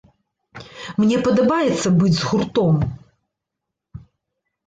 Мне падабаецца быць з гуртом.